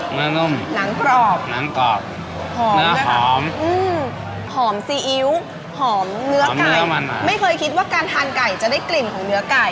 เนื้อนุ่มหนังกรอบหนังกรอบหอมเนื้อหอมหอมซีอิ๊วหอมเนื้อไก่ไม่เคยคิดว่าการทานไก่จะได้กลิ่นของเนื้อไก่